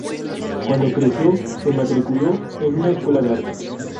Cuando creció, se matriculó en una escuela de artes.